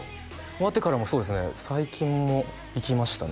終わってからもそうですね最近も行きましたね